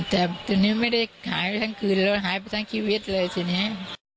แต่ตอนนี้ไม่ได้หายไปทั้งคืนเลยหายไปทั้งชีวิตเลยทีนี้